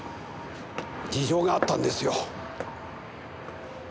事情があったんですよ。